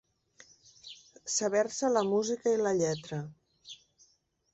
Saber-se la música i la lletra.